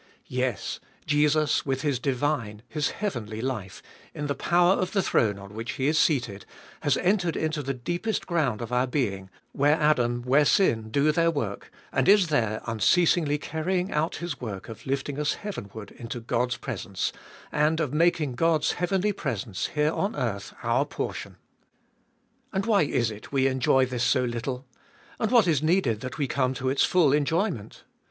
Yes, Jesus with His divine, His heavenly life, in the power of the throne on which He is seated, has entered into the deepest ground of our being, where Adam, where sin, do their work, and is there unceasingly carrying out His work of lifting us heavenward into God's presence, and of making God's heavenly presence here on earth our portion. And why is it we enjoy this so little ? And what is needed that we come to its full enjoyment